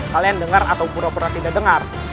kalian dengar atau pura pura tidak dengar